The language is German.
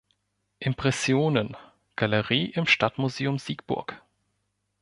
Impressionen", Galerie im Stadtmuseum Siegburg